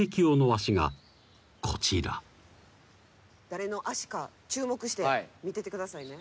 誰の足か注目して見ててくださいね。